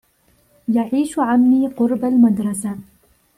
يعيش عمي قرب المدرسة.